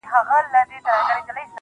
هغې ويل په پوري هـديــره كي ښخ دى .